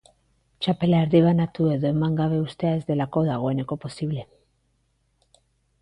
Txapela erdibanatu edo eman gabe uztea ez delako dagoeneko posible.